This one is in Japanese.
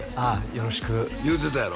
よろしく言うてたやろ？